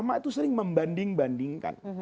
mak itu sering membanding bandingkan